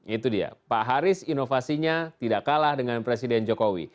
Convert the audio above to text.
itu dia pak haris inovasinya tidak kalah dengan presiden jokowi